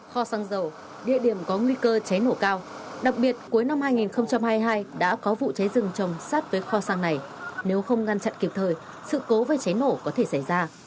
kho xăng dầu địa điểm có nguy cơ cháy nổ cao đặc biệt cuối năm hai nghìn hai mươi hai đã có vụ cháy rừng trồng sát với kho xăng này nếu không ngăn chặn kịp thời sự cố về cháy nổ có thể xảy ra